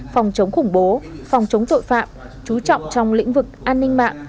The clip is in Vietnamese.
phòng chống khủng bố phòng chống tội phạm chú trọng trong lĩnh vực an ninh mạng